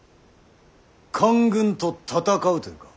官軍と戦うと言うか。